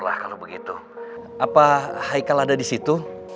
apa haikal ada disitu